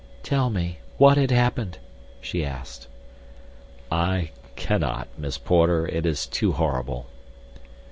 "Tell me. What had happened?" she asked. "I cannot, Miss Porter, it is too horrible."